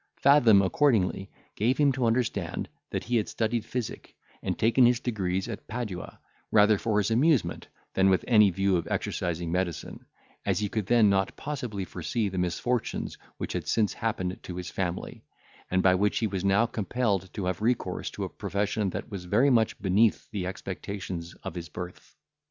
Fathom accordingly gave him to understand, that he had studied physic, and taken his degrees at Padua, rather for his amusement, than with any view of exercising medicine, as he then could not possibly foresee the misfortunes which had since happened to his family, and by which he was now compelled to have recourse to a profession that was very much beneath the expectations of his birth.